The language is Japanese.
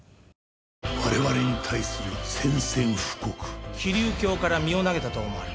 「我々に対する宣戦布告」「飛龍橋から身を投げたと思われます」